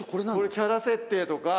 キャラ設定とか。